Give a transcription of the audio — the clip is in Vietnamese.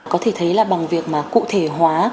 có thể thấy là bằng việc mà cụ thể hóa